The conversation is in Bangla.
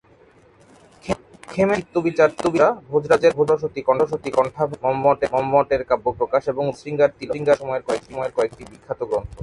ক্ষেমেন্দ্রের ঔচিত্যবিচারচর্চা, ভোজরাজের সরস্বতীকণ্ঠাভরণ, মম্মটের ক্যাব্যপ্রকাশ এবং রুদ্রটের শৃঙ্গারতিলক এ সময়ের কয়েকটি বিখ্যাত গ্রন্থ।